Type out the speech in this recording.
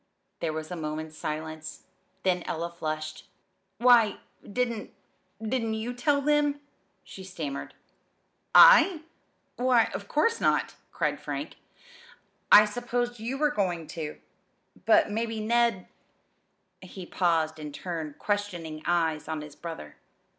There was a moment's silence; then Ella flushed. "Why! didn't didn't you tell them?" she stammered. "I? Why, of course not!" cried Frank. "I supposed you were going to. But maybe Ned " He paused and turned questioning eyes on his brother.